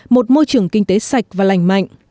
một môi trường kinh tế sạch và lành mạnh